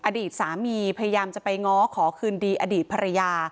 อดีตสามีพยายามจะไปง้อขอคืนดีอดีตภรรยา